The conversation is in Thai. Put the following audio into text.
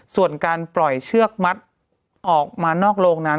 ส่วนการปล่อยเชือกมัดออกมานอกโรงนั้น